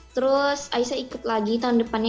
terus aisyah ikut lagi tahun depannya